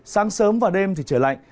sáng sớm và đêm thì trời lạnh